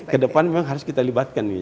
ke depan memang harus kita libatkan ini